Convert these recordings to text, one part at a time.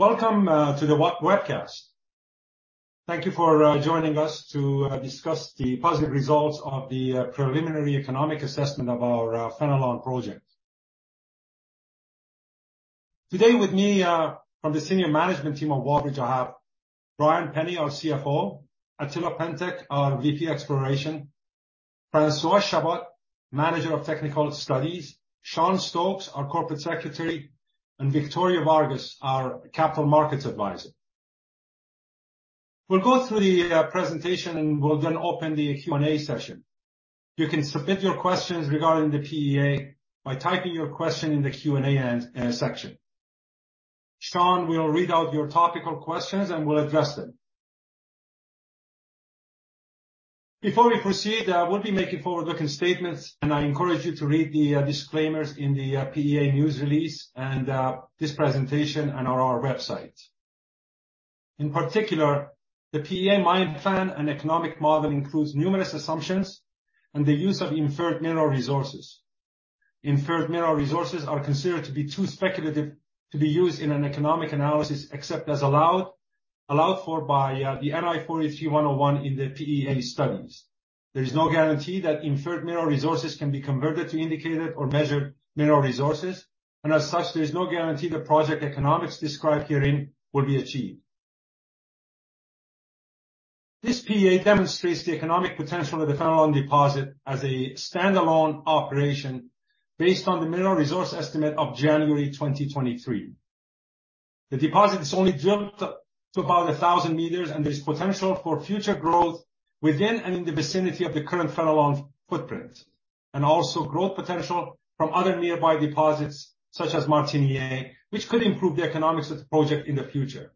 Welcome to the webcast. Thank you for joining us to discuss the positive results of the preliminary economic assessment of our Fenelon project. Today with me from the senior management team of Wallbridge, I have Brian Penny, our CFO, Attila Pentek, our VP Exploration, Francois Chabot, Manager of Technical Studies, Sean Stokes, our Corporate Secretary, and Victoria Vargas, our Capital Markets Advisor. We'll go through the presentation, and we'll then open the Q&A session. You can submit your questions regarding the PEA by typing your question in the Q&A section. Sean will read out your topical questions, and we'll address them. Before we proceed, we'll be making forward-looking statements, and I encourage you to read the disclaimers in the PEA news release and this presentation and on our website. In particular, the PEA mine plan and economic model includes numerous assumptions and the use of inferred mineral resources. Inferred mineral resources are considered to be too speculative to be used in an economic analysis, except as allowed for by the NI 43-101 in the PEA studies. There is no guarantee that inferred mineral resources can be converted to indicated or measured mineral resources, and as such, there is no guarantee the project economics described herein will be achieved. This PEA demonstrates the economic potential of the Fenelon deposit as a standalone operation based on the mineral resource estimate of January 2023. The deposit is only drilled to about 1,000 m. There is potential for future growth within and in the vicinity of the current Fenelon footprint, and also growth potential from other nearby deposits, such as Martiniere, which could improve the economics of the project in the future.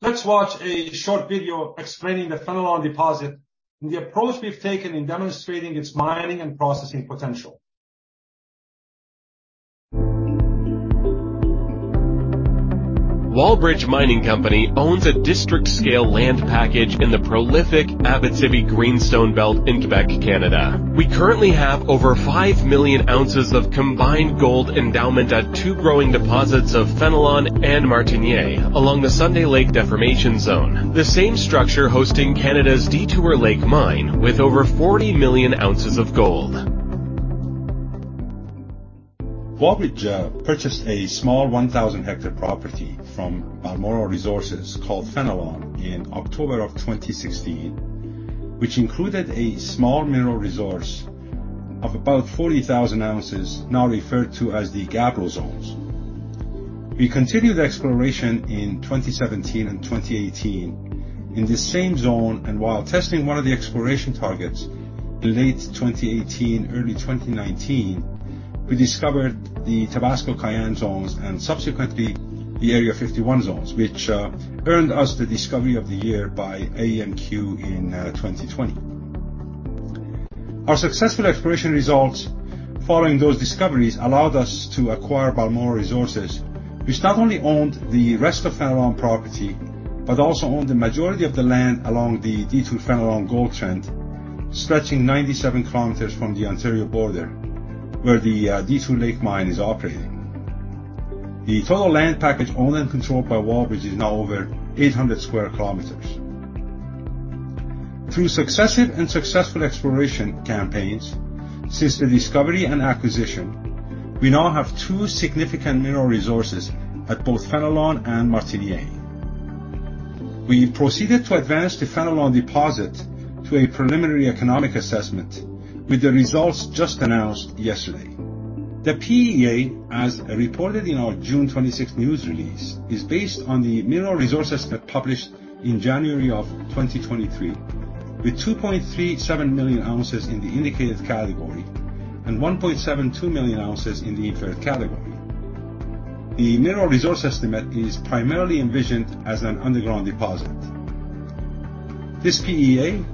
Let's watch a short video explaining the Fenelon deposit and the approach we've taken in demonstrating its mining and processing potential. Wallbridge Mining Company owns a district-scale land package in the prolific Abitibi Greenstone Belt in Québec, Canada. We currently have over 5 million ounces of combined gold endowment at two growing deposits of Fenelon and Martiniere, along the Sunday Lake Deformation Zone, the same structure hosting Canada's Detour Lake Mine with over 40 million ounces of gold. Wallbridge purchased a small 1,000 hectare property from Balmoral Resources, called Fenelon, in October 2016, which included a small mineral resource of about 40,000 ounces, now referred to as the Gabbro Zones. We continued exploration in 2017 and 2018 in the same zone, and while testing one of the exploration targets in late 2018, early 2019, we discovered the Tabasco-Cayenne Zones, and subsequently, the Area 51 Zones, which earned us the Discovery of the Year by AEMQ in 2020. Our successful exploration results following those discoveries allowed us to acquire Balmoral Resources, which not only owned the rest of Fenelon property, but also owned the majority of the land along the Detour Fenelon gold trend, stretching 97 kilometers from the Ontario border, where the Detour Lake mine is operating. The total land package owned and controlled by Wallbridge is now over 800 square kilometers. Through successive and successful exploration campaigns since the discovery and acquisition, we now have two significant mineral resources at both Fenelon and Martiniere. We proceeded to advance the Fenelon deposit to a preliminary economic assessment, with the results just announced yesterday. The PEA, as reported in our June 26 news release, is based on the mineral resource estimate published in January of 2023, with 2.37 million ounces in the indicated category and 1.72 million ounces in the inferred category. The mineral resource estimate is primarily envisioned as an underground deposit. This PEA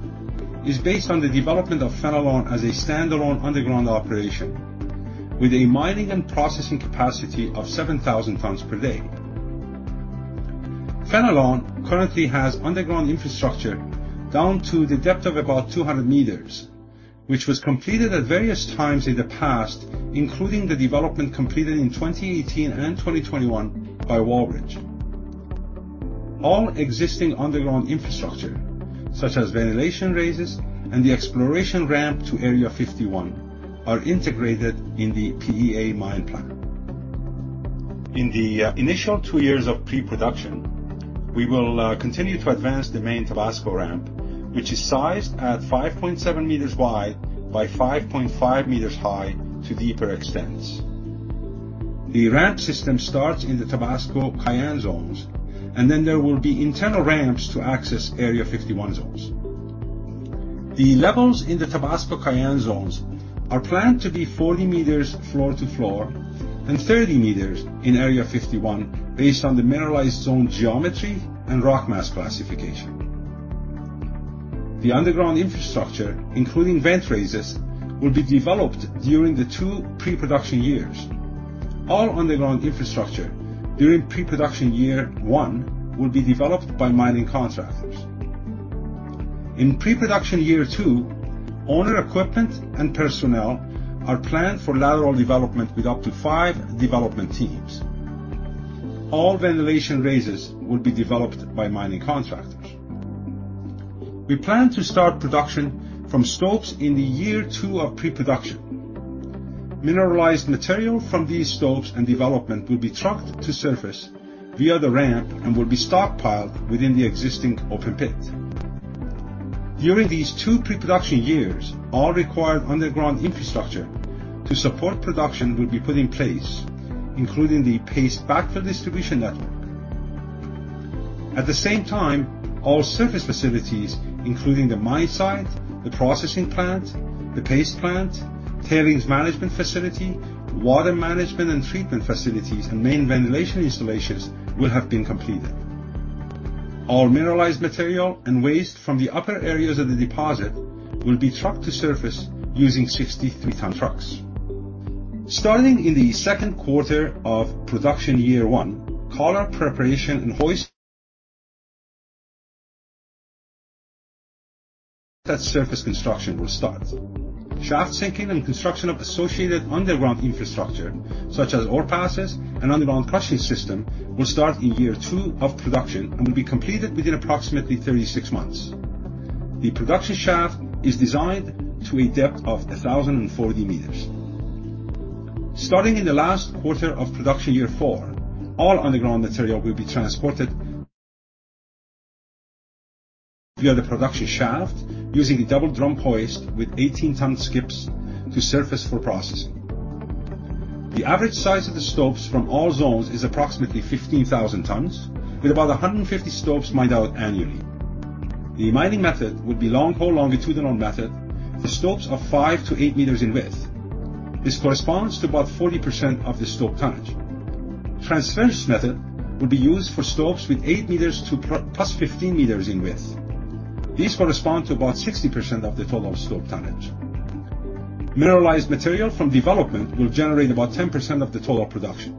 is based on the development of Fenelon as a standalone underground operation with a mining and processing capacity of 7,000 tons per day. Fenelon currently has underground infrastructure down to the depth of about 200 meters, which was completed at various times in the past, including the development completed in 2018 and in 2021 by Wallbridge. All existing underground infrastructure, such as ventilation raises and the exploration ramp to Area 51, are integrated in the PEA mine plan. In the initial two years of pre-production, we will continue to advance the main Tabasco ramp, which is sized at 5.7 meters wide by 5.5 meters high to deeper extents. The ramp system starts in the Tabasco Cayenne zones, and then there will be internal ramps to access Area 51 zones. The levels in the Tabasco-Cayenne zones are planned to be 40 meters floor to floor and 30 meters in Area 51, based on the mineralized zone geometry and rock mass classification. The underground infrastructure, including vent raises, will be developed during the two pre-production years. All underground infrastructure during pre-production year one will be developed by mining contractors. In pre-production year two, owner equipment and personnel are planned for lateral development with up to five development teams. All ventilation raises will be developed by mining contractors. We plan to start production from stopes in the year two of pre-production. Mineralized material from these stopes and development will be trucked to surface via the ramp, and will be stockpiled within the existing open pit. During these two pre-production years, all required underground infrastructure to support production will be put in place, including the paste backfill distribution network. At the same time, all surface facilities, including the mine site, the processing plant, the paste plant, tailings management facility, water management and treatment facilities, and main ventilation installations, will have been completed. All mineralized material and waste from the upper areas of the deposit will be trucked to surface using 63 ton trucks. Starting in the second quarter of production year 1, collar preparation and hoist that surface construction will start. Shaft sinking and construction of associated underground infrastructure, such as ore passes and underground crushing system, will start in year two of production and will be completed within approximately 36 months. The production shaft is designed to a depth of 1,040 meters. Starting in the last quarter of production year four, all underground material will be transported via the production shaft using a double drum hoist with 18 ton skips to surface for processing. The average size of the stopes from all zones is approximately 15,000 tons, with about 150 stopes mined out annually. The mining method would be long-hole, longitudinal method. The stopes are 5 meters-8 meters in width. This corresponds to about 40% of the stope tonnage. transverse method will be used for stopes with 8 meters to +15 meters in width. These correspond to about 60% of the total stope tonnage. Mineralized material from development will generate about 10% of the total production.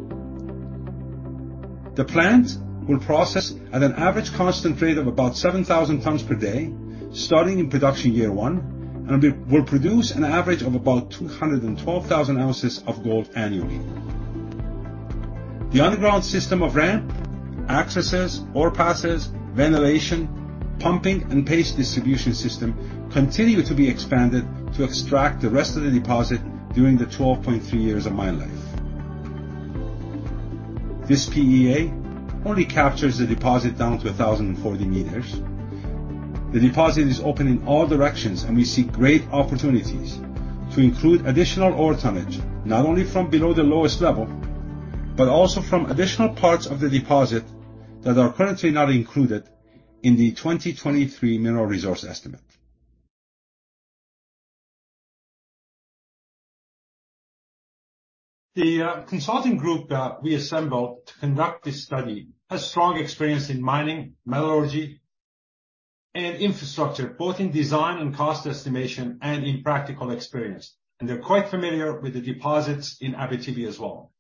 The plant will process at an average constant rate of about 7,000 tons per day, starting in production year one, and will produce an average of about 212,000 ounces of gold annually. The underground system of ramp, accesses, ore passes, ventilation, pumping, and paste distribution system continue to be expanded to extract the rest of the deposit during the 12.3 years of mine life. This PEA only captures the deposit down to 1,040 meters. The deposit is open in all directions, and we see great opportunities to include additional ore tonnage, not only from below the lowest level, but also from additional parts of the deposit that are currently not included in the 2023 mineral resource estimate. The consulting group that we assembled to conduct this study has strong experience in mining, metallurgy, and infrastructure, both in design and cost estimation and in practical experience, and they're quite familiar with the deposits in Abitibi as well.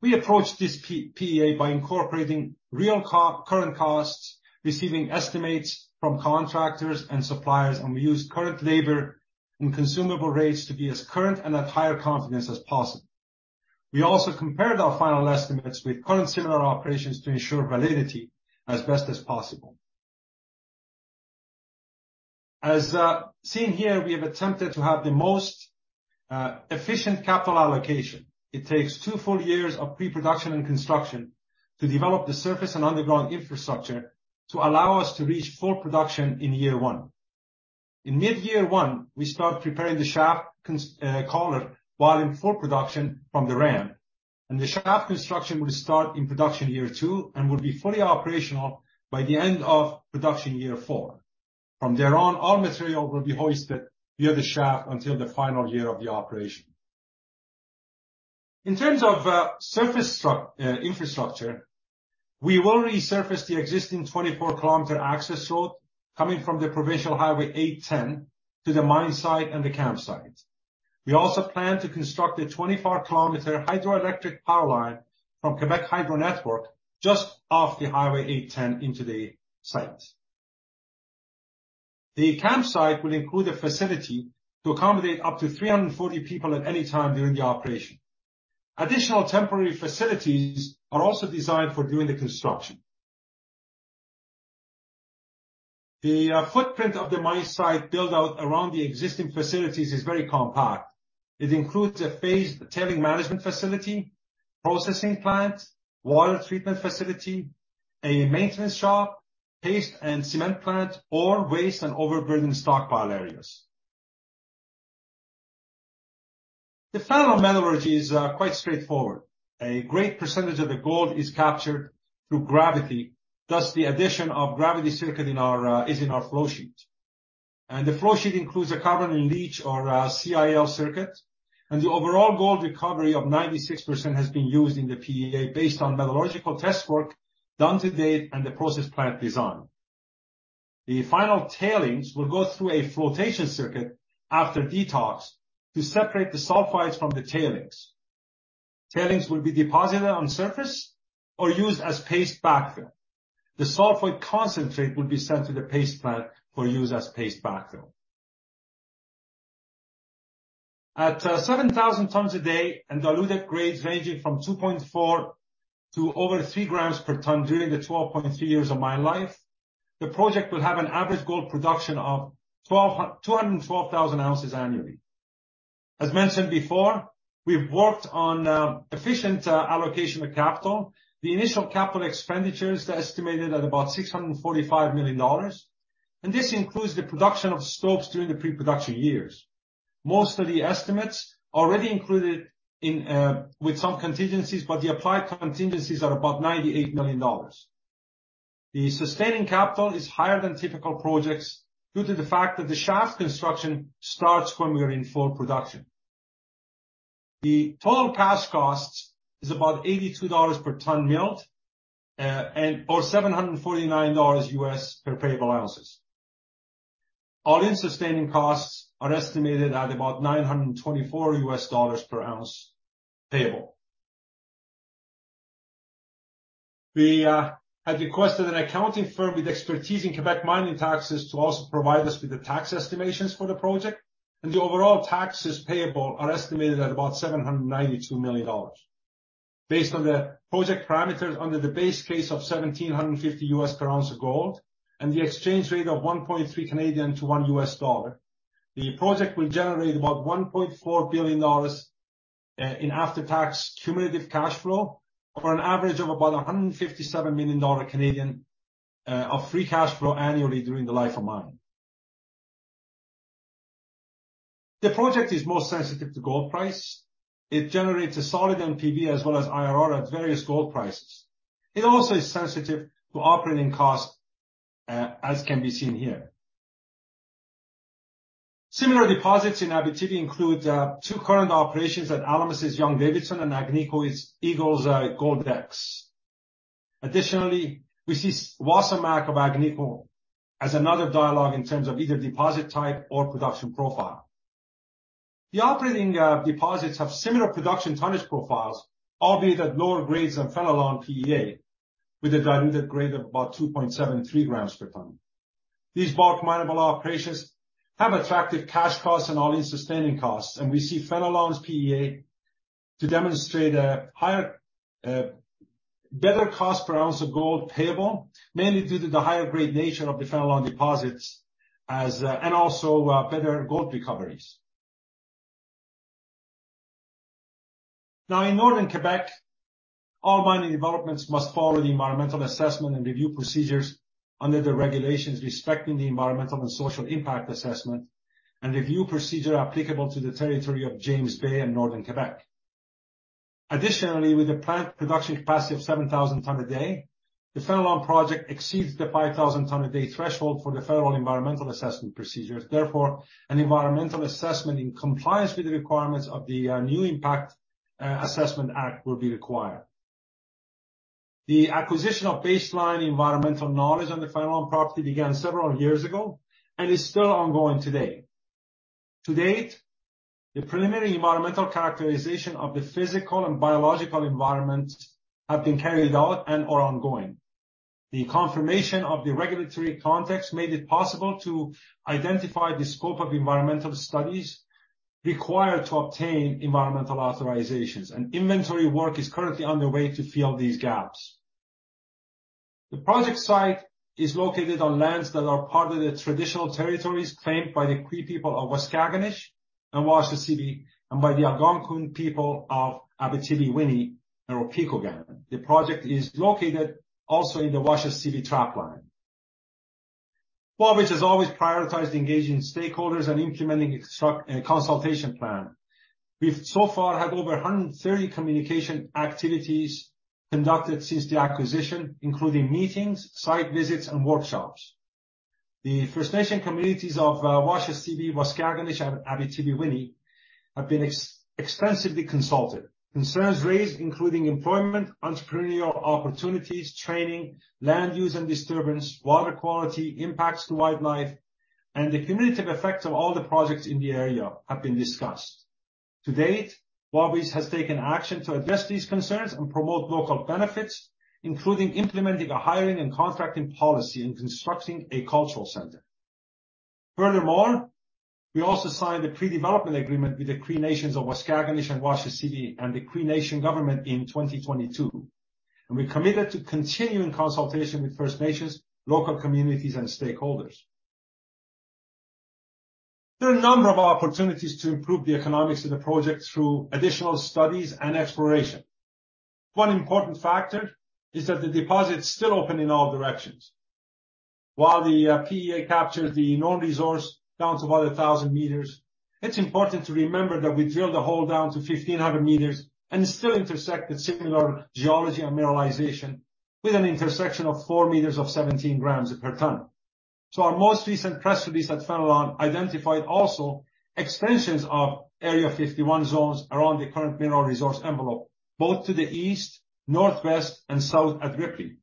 We approached this PEA by incorporating real current costs, receiving estimates from contractors and suppliers, and we used current labor and consumable rates to be as current and have higher confidence as possible. We also compared our final estimates with current similar operations to ensure validity as best as possible. As seen here, we have attempted to have the most efficient capital allocation. It takes two full years of pre-production and construction to develop the surface and underground infrastructure to allow us to reach full production in year one. In mid-year one, we start preparing the shaft collar, while in full production from the ramp. The shaft construction will start in production year two and will be fully operational by the end of production year four. From there on, all material will be hoisted via the shaft until the final year of the operation. In terms of surface infrastructure, we will resurface the existing 24 km access road coming from the Provincial Highway 810 to the mine site and the campsite. We also plan to construct a 24 km hydroelectric power line from Hydro-Québec Network, just off the Highway 810 into the site. The campsite will include a facility to accommodate up to 340 people at any time during the operation. Additional temporary facilities are also designed for during the construction. The footprint of the mine site build-out around the existing facilities is very compact. It includes a phased tailings management facility, processing plant, water treatment facility, a maintenance shop, paste and cement plant, ore, waste, and overburden stockpile areas. The final metallurgy is quite straightforward. A great percentage of the gold is captured through gravity, thus the addition of gravity circuit in our is in our flow sheet. The flow sheet includes a carbon-in-leach or a CIL circuit, and the overall gold recovery of 96% has been used in the PEA, based on metallurgical test work done to date and the process plant design. The final tailings will go through a flotation circuit after detox to separate the sulfides from the tailings. Tailings will be deposited on surface or used as paste backfill. The sulfide concentrate will be sent to the paste plant for use as paste backfill. At 7,000 tons a day and diluted grades ranging from 2.4 to over 3 grams per ton during the 12.3 years of mine life, the project will have an average gold production of 212,000 ounces annually. As mentioned before, we've worked on efficient allocation of capital. The initial capital expenditures are estimated at about 645 million dollars. This includes the production of stopes during the pre-production years. Most of the estimates already included in with some contingencies. The applied contingencies are about 98 million. The sustaining capital is higher than typical projects due to the fact that the shaft construction starts when we are in full production. The total cash costs is about $82 per ton milled, and or $749 per payable ounces. All-in sustaining costs are estimated at about $924 per ounce payable. We have requested an accounting firm with expertise in Québec mining taxes to also provide us with the tax estimations for the project, and the overall taxes payable are estimated at about $792 million. Based on the project parameters under the base case of $1,750 US per ounce of gold and the exchange rate of 1.3 CAD to 1 US dollar, the project will generate about $1.4 billion in after-tax cumulative cash flow for an average of about 157 million Canadian dollars of free cash flow annually during the life of mine. The project is most sensitive to gold price. It generates a solid NPV as well as IRR at various gold prices. It also is sensitive to operating costs, as can be seen here. Similar deposits in Abitibi include two current operations at Alamos Gold's Young-Davidson and Agnico Eagle's Goldex. Additionally, we see Wasamac of Agnico as another dialogue in terms of either deposit type or production profile. The operating deposits have similar production tonnage profiles, albeit at lower grades than Fenelon PEA, with a diluted grade of about 2.73 grams per ton. These bulk mineable operations have attractive cash costs and all-in sustaining costs, we see Fenelon's PEA to demonstrate a higher, better cost per ounce of gold payable, mainly due to the higher-grade nature of the Fenelon deposits as and also better gold recoveries. Now, in Northern Québec, all mining developments must follow the environmental assessment and review procedures under the regulations respecting the environmental and social impact assessment and review procedure applicable to the territory of James Bay and Northern Québec. Additionally, with a plant production capacity of 7,000 tons a day, the Fenelon project exceeds the 5,000 ton a day threshold for the federal environmental assessment procedures. Therefore, an environmental assessment in compliance with the requirements of the new Impact Assessment Act will be required. The acquisition of baseline environmental knowledge on the Fenelon property began several years ago and is still ongoing today. To date, the preliminary environmental characterization of the physical and biological environment have been carried out and are ongoing. The confirmation of the regulatory context made it possible to identify the scope of environmental studies required to obtain environmental authorizations, and inventory work is currently underway to fill these gaps. The project site is located on lands that are part of the traditional territories claimed by the Cree people of Waskaganish and Washaw Sibi, and by the Algonquin people of Abitibiwinni and Pikogan. The project is located also in the Washaw Sibi trap line. Wallbridge has always prioritized engaging stakeholders and implementing a consultation plan. We've so far had over 130 communication activities conducted since the acquisition, including meetings, site visits, and workshops. The First Nation communities of Waswanipi, Waskaganish, and Abitibiwinni have been extensively consulted. Concerns raised, including employment, entrepreneurial opportunities, training, land use and disturbance, water quality, impacts to wildlife, and the cumulative effects of all the projects in the area have been discussed. To date, Wallbridge has taken action to address these concerns and promote local benefits, including implementing a hiring and contracting policy and constructing a cultural center. Furthermore, we also signed a pre-development agreement with the Cree Nations of Waskaganish and Waswanipi, and the Cree Nation Government in 2022, and we're committed to continuing consultation with First Nations, local communities, and stakeholders. There are a number of opportunities to improve the economics of the project through additional studies and exploration. One important factor is that the deposit is still open in all directions. While the PEA captures the known resource down to about 1,000 meters, it's important to remember that we drilled a hole down to 1,500 meters and still intersected similar geology and mineralization with an intersection of 4 meters of 17 grams per ton. Our most recent press release at Fenelon identified also extensions of Area 51 zones around the current mineral resource envelope, both to the east, northwest, and south at Ripley.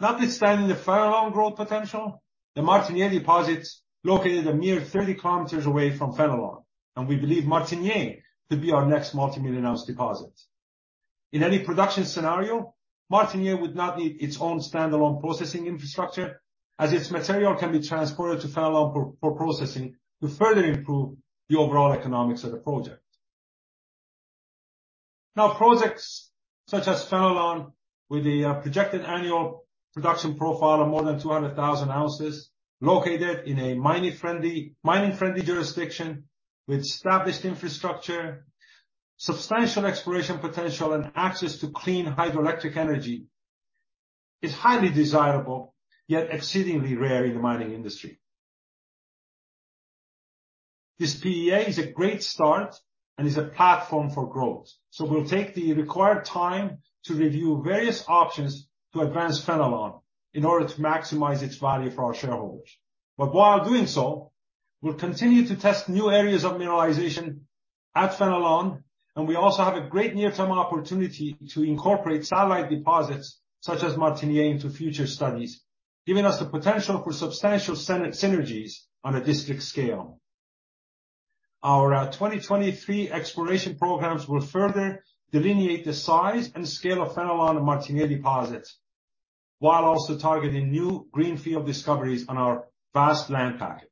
Notwithstanding the Fenelon growth potential, the Martiniere deposit located a mere 30 km away from Fenelon, and we believe Martiniere to be our next multimillion ounce deposit. In any production scenario, Martiniere would not need its own standalone processing infrastructure, as its material can be transported to Fenelon for processing to further improve the overall economics of the project. Projects such as Fenelon, with a projected annual production profile of more than 200,000 ounces, located in a mining-friendly jurisdiction with established infrastructure, substantial exploration potential, and access to clean hydroelectric energy, is highly desirable, yet exceedingly rare in the mining industry. This PEA is a great start and is a platform for growth. We'll take the required time to review various options to advance Fenelon in order to maximize its value for our shareholders. While doing so, we'll continue to test new areas of mineralization at Fenelon, and we also have a great near-term opportunity to incorporate satellite deposits such as Martiniere into future studies, giving us the potential for substantial synergies on a district scale. Our 2023 exploration programs will further delineate the size and scale of Fenelon and Martiniere deposits, while also targeting new greenfield discoveries on our vast land package.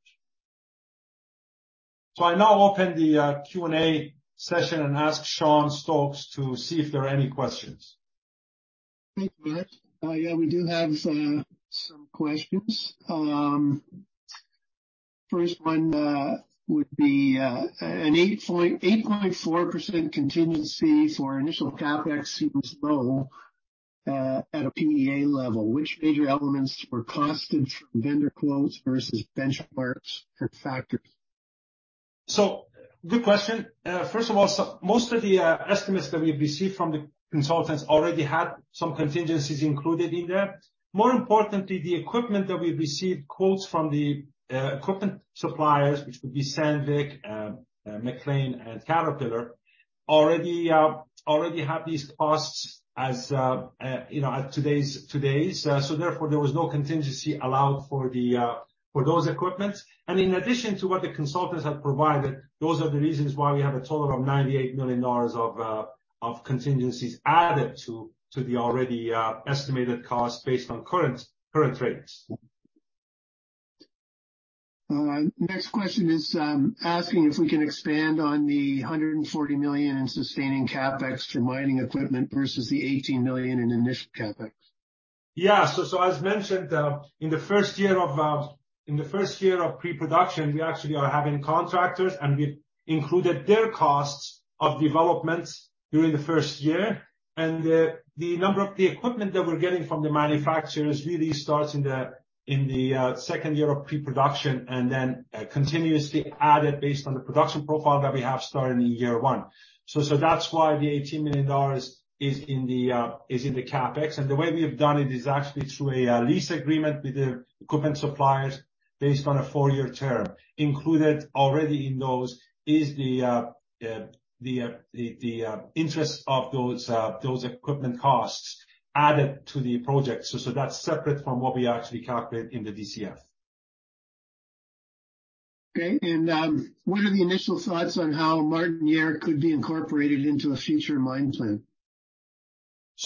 I now open the Q&A session and ask Sean Stokes to see if there are any questions. Thanks, Marz. Yeah, we do have some questions. First one would be an 8.4% contingency for initial CapEx seems low at a PEA level. Which major elements were costed from vendor quotes versus benchmarks and factors? Good question. First of all, most of the estimates that we've received from the consultants already had some contingencies included in there. More importantly, the equipment that we've received quotes from the equipment suppliers, which would be Sandvik, MacLean, and Caterpillar, already have these costs as, you know, at today's, so therefore, there was no contingency allowed for the for those equipments. In addition to what the consultants have provided, those are the reasons why we have a total of 98 million dollars of contingencies added to the already estimated cost based on current rates. Next question is, asking if we can expand on the 140 million in sustaining CapEx for mining equipment versus the 18 million in initial CapEx. Yeah. So as mentioned, in the first year of pre-production, we actually are having contractors, and we've included their costs of development during the first year. The number of the equipment that we're getting from the manufacturers really starts in the second year of pre-production and then continuously added based on the production profile that we have starting in year one. So that's why the 18 million dollars is in the CapEx. The way we have done it is actually through a lease agreement with the equipment suppliers based on a four-year term. Included already in those is the interest of those equipment costs added to the project. That's separate from what we actually calculate in the DCF. Okay, what are the initial thoughts on how Martiniere could be incorporated into a future mine plan?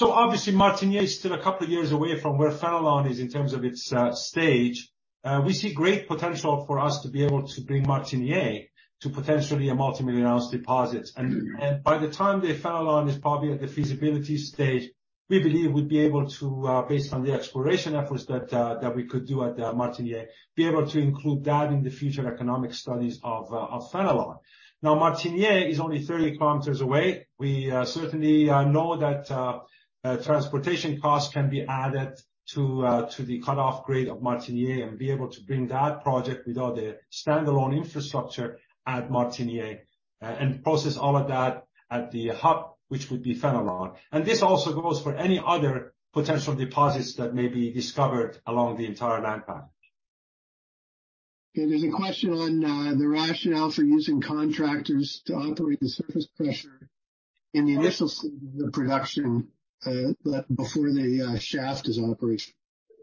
Obviously, Martiniere is still a couple of years away from where Fenelon is in terms of its stage. We see great potential for us to be able to bring Martiniere to potentially a multimillion-ounce deposit. By the time the Fenelon is probably at the feasibility stage, we believe we'd be able to, based on the exploration efforts that we could do at Martiniere, be able to include that in the future economic studies of Fenelon. Martiniere is only 30 kilometers away. We certainly know that transportation costs can be added to the cut-off grade of Martiniere and be able to bring that project with all the standalone infrastructure at Martiniere, and process all of that at the hub, which would be Fenelon. This also goes for any other potential deposits that may be discovered along the entire land pack. There's a question on the rationale for using contractors to operate the surface crusher in the initial stage of the production, but before the shaft is operational.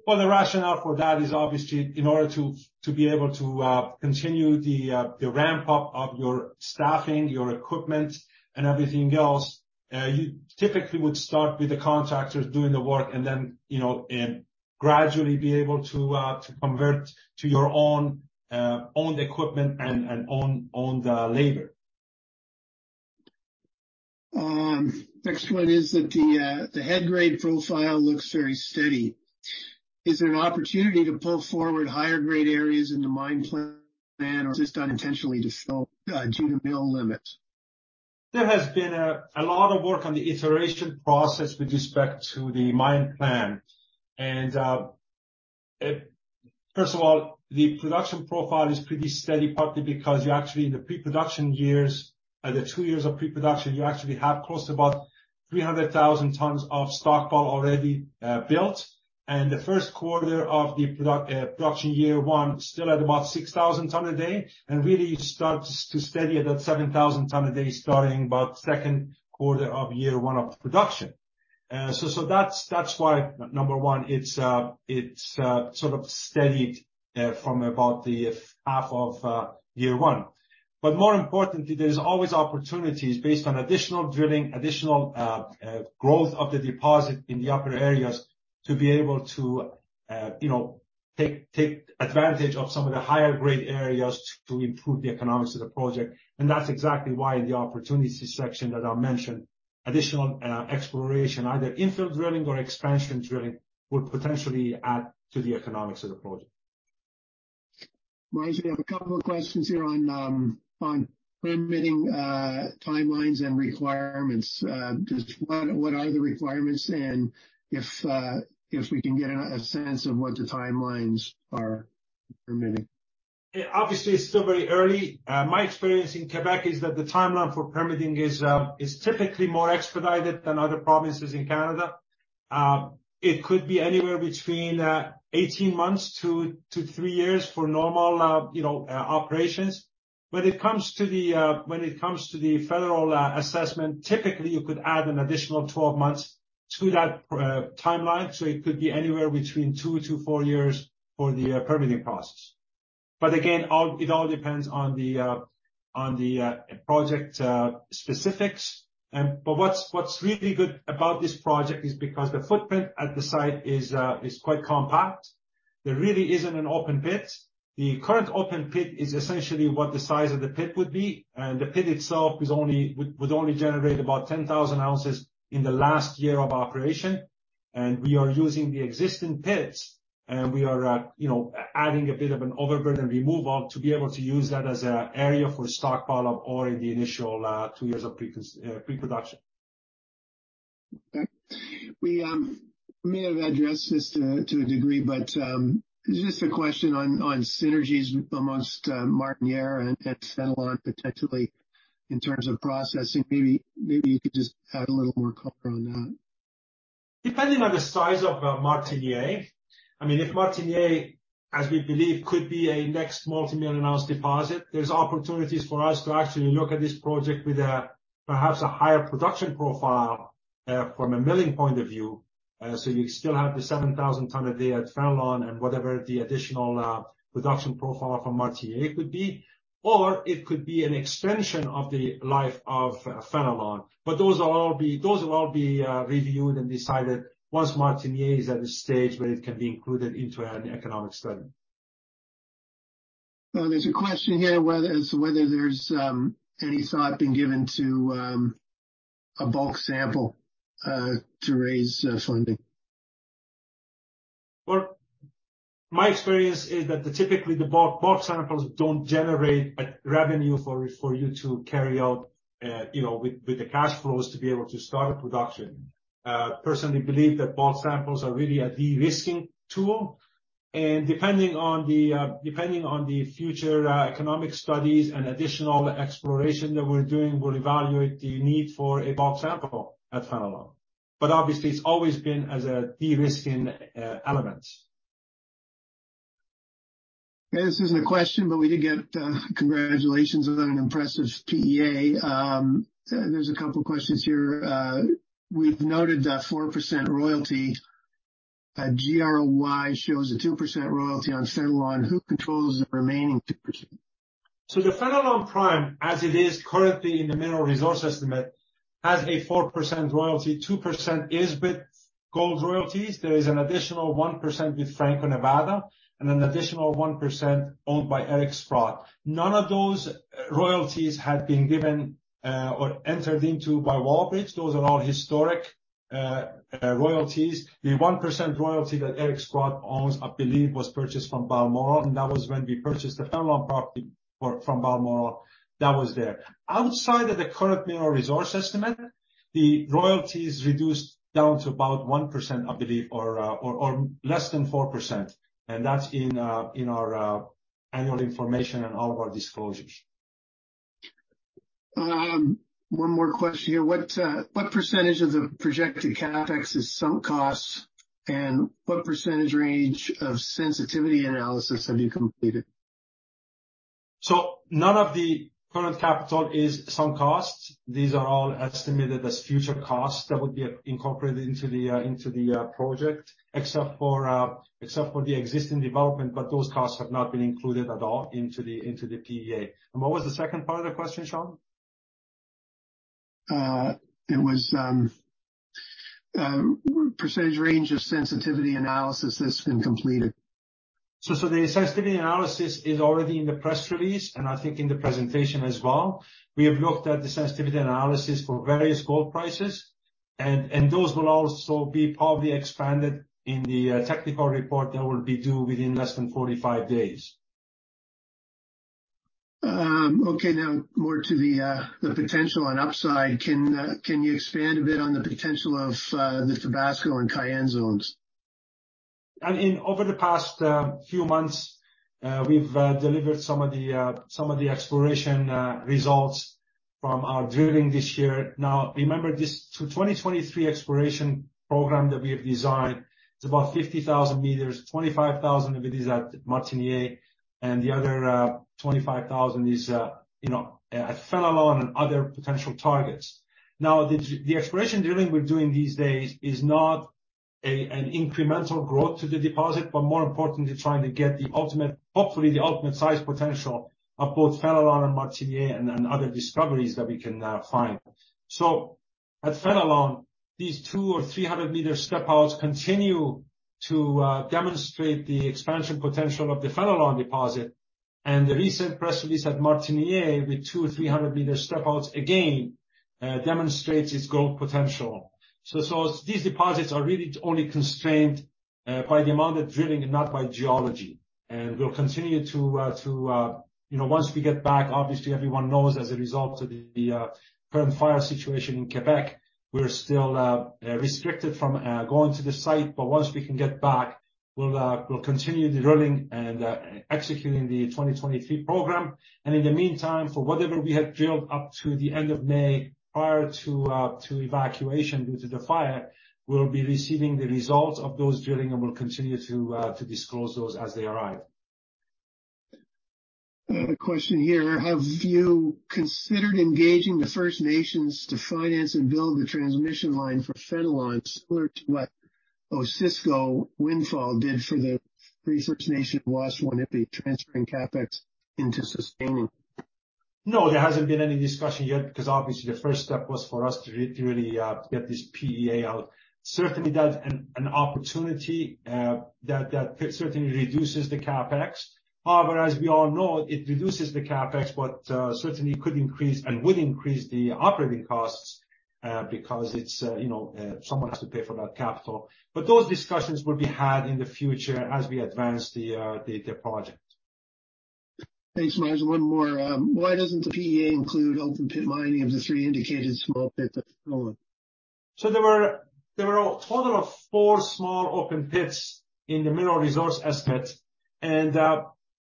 Well, the rationale for that is obviously in order to be able to continue the ramp-up of your staffing, your equipment, and everything else, you typically would start with the contractors doing the work and then, you know, gradually be able to convert to your own owned equipment and owned labor. next one is that the head grade profile looks very steady. Is there an opportunity to pull forward higher-grade areas in the mine plan, or is this done intentionally to slow due to mill limits? There has been a lot of work on the iteration process with respect to the mine plan. First of all, the production profile is pretty steady, partly because you actually, in the pre-production years, the two years of pre-production, you actually have close to about 300,000 tons of stockpile already built. The first quarter of the production year one, still at about 6,000 tons a day, and really starts to steady at that 7,000 tons a day, starting about second quarter of year one of production. That's why, number one, it's sort of steadied from about the half of year one. More importantly, there's always opportunities based on additional drilling, additional, growth of the deposit in the upper areas to be able to, you know, take advantage of some of the higher grade areas to improve the economics of the project. That's exactly why in the opportunity section that I mentioned, additional, exploration, either infill drilling or expansion drilling, would potentially add to the economics of the project. Marz, we have a couple of questions here on permitting, timelines and requirements. Just what are the requirements? If we can get a sense of what the timelines are for permitting. Yeah, obviously, it's still very early. My experience in Québec is that the timeline for permitting is typically more expedited than other provinces in Canada. It could be anywhere between 18 months to three years for normal, you know, operations. When it comes to the when it comes to the federal assessment, typically, you could add an additional 12 months to that timeline, so it could be anywhere between 2-4 years for the permitting process. Again, it all depends on the on the project specifics. But what's really good about this project is because the footprint at the site is quite compact. There really isn't an open pit. The current open pit is essentially what the size of the pit would be, and the pit itself is only generate about 10,000 ounces in the last year of operation. We are using the existing pits, we are, you know, adding a bit of an overburden removal to be able to use that as an area for stock pile up or in the initial, two years of pre-production. Okay. We may have addressed this to a degree, but just a question on synergies amongst Martiniere and Fenelon, potentially, in terms of processing. Maybe you could just add a little more color on that. Depending on the size of Martiniere, I mean, if Martiniere, as we believe, could be a next multimillion-ounce deposit, there's opportunities for us to actually look at this project with a, perhaps, a higher production profile from a milling point of view. So you still have the 7,000 ton a day at Fenelon and whatever the additional production profile from Martiniere could be, or it could be an extension of the life of Fenelon. Those will all be reviewed and decided once Martiniere is at a stage where it can be included into an economic study. There's a question here, as to whether there's any thought being given to a bulk sample to raise funding. Well, my experience is that typically, the bulk samples don't generate a revenue for you to carry out, you know, with the cash flows, to be able to start a production. Personally believe that bulk samples are really a de-risking tool, and depending on the future economic studies and additional exploration that we're doing, we'll evaluate the need for a bulk sample at Fenelon. Obviously, it's always been as a de-risking element. This isn't a question, we did get congratulations on an impressive PEA. There's a couple questions here. We've noted the 4% royalty, GROY shows a 2% royalty on Fenelon. Who controls the remaining 2%? The Fenelon Prime, as it is currently in the mineral resource estimate, has a 4% royalty. 2% is with Gold Royalty Corp. There is an additional 1% with Franco-Nevada and an additional 1% owned by Eric Sprott. None of those royalties had been given or entered into by Wallbridge. Those are all historic royalties. The 1% royalty that Eric Sprott owns, I believe, was purchased from Balmoral, and that was when we purchased the Fenelon property from Balmoral. That was there. Outside of the current mineral resource estimate, the royalty is reduced down to about 1%, I believe, or less than 4%, and that's in our annual information and all of our disclosures. One more question here: What percentage of the projected CapEx is sunk costs, and what percentage range of sensitivity analysis have you completed? None of the current capital is sunk costs. These are all estimated as future costs that will be incorporated into the project, except for the existing development, but those costs have not been included at all into the PEA. What was the second part of the question, Sean? It was percentage range of sensitivity analysis that's been completed. The sensitivity analysis is already in the press release, and I think in the presentation as well. We have looked at the sensitivity analysis for various gold prices, and those will also be probably expanded in the technical report that will be due within less than 45 days. Now more to the potential on upside. Can you expand a bit on the potential of the Tabasco and Cayenne zones? I mean, over the past few months, we've delivered some of the exploration results from our drilling this year. Remember, this 2023 exploration program that we have designed, it's about 50,000 meters, 25,000 of it is at Martiniere, and the other 25,000 is, you know, at Fenelon and other potential targets. The exploration drilling we're doing these days is an incremental growth to the deposit, but more importantly, trying to get the ultimate, hopefully the ultimate size potential of both Fenelon and Martiniere and other discoveries that we can find. At Fenelon, these 200 m or 300 m step outs continue to demonstrate the expansion potential of the Fenelon deposit, and the recent press release at Martiniere, with 200 m or 300 m step outs, again, demonstrates its gold potential. These deposits are really only constrained by the amount of drilling and not by geology. We'll continue to you know, once we get back, obviously everyone knows as a result of the current fire situation in Québec, we're still restricted from going to the site. Once we can get back, we'll continue drilling and executing the 2023 program. In the meantime, for whatever we have drilled up to the end of May, prior to evacuation due to the fire, we'll be receiving the results of those drilling, and we'll continue to disclose those as they arrive. A question here: Have you considered engaging the First Nations to finance and build the transmission line for Fenelon, similar to what Osisko Mining did for the three First Nation Waswanipi, transferring CapEx into sustaining? No, there hasn't been any discussion yet, because obviously the first step was for us to really, get this PEA out. Certainly, that's an opportunity, that certainly reduces the CapEx. However, as we all know, it reduces the CapEx, but, certainly could increase and would increase the operating costs, because it's, you know, someone has to pay for that capital. Those discussions will be had in the future as we advance the project. Thanks, Marz. One more. Why doesn't the PEA include open pit mining of the three indicated small pit of Fenelon? There were a total of four small open pits in the mineral resource estimate.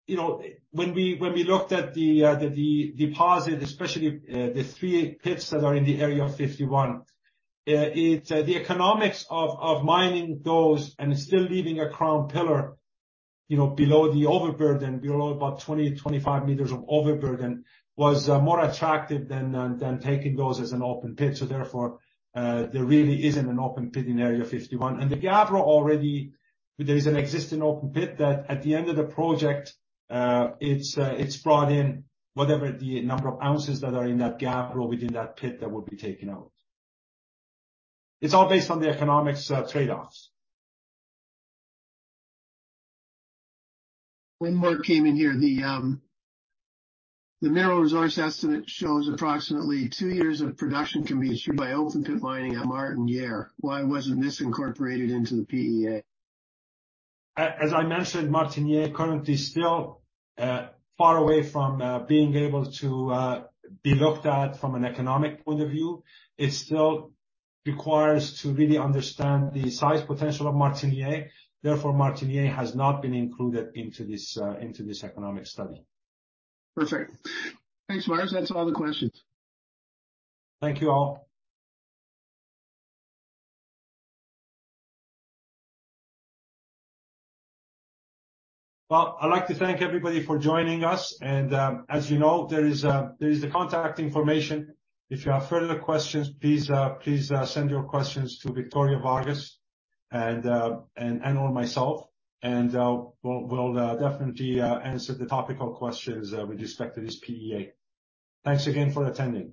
You know, when we looked at the deposit, especially the three pits that are in the area of 51, it's, the economics of mining those and still leaving a crown pillar, you know, below the overburden, below about 20-25 meters of overburden, was more attractive than taking those as an open pit. Therefore, there really isn't an open pit in area 51. The Gabbro already, there is an existing open pit that at the end of the project, it's brought in whatever the number of ounces that are in that Gabbro within that pit that will be taken out. It's all based on the economics, trade-offs. One more came in here. The, the mineral resource estimate shows approximately two years of production can be achieved by open pit mining at Martiniere. Why wasn't this incorporated into the PEA? As I mentioned, Martiniere currently still far away from being able to be looked at from an economic point of view. It still requires to really understand the size potential of Martiniere. Martiniere has not been included into this economic study. Perfect. Thanks, Marz. That's all the questions. Thank you, all. I'd like to thank everybody for joining us. As you know, there is the contact information. If you have further questions, please send your questions to Victoria Vargas and or myself. We'll definitely answer the topical questions with respect to this PEA. Thanks again for attending.